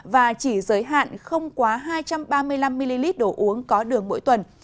và chỉ giới hạn không quá hai trăm ba mươi năm ml đồ uống có đường mỗi tuần